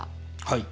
はい。